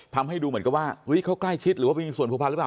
ทำให้ดูเหมือนกับว่าเขาใกล้ชิดหรือว่าไปมีส่วนผูกพันหรือเปล่า